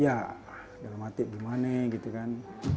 ya dalam hati gimana gitu kan